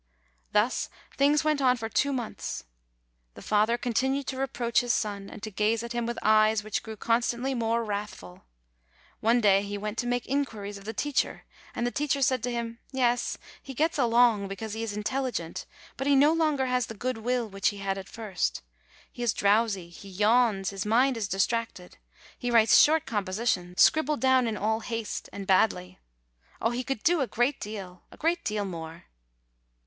Thus things went on for two months. The father continued to reproach his son, and to gaze at him with eyes which grew constantly more wrathful. One day he went to make inquiries of the teacher, and the teacher said to him : "Yes, he gets along, because he is intelligent ; but he no longer has the good will which he had at first. He is drowsy, he yawns, his mind is distracted. He writes short compositions, scribbled down in all haste, and badly. Oh, he could do a great deal, a great deal more."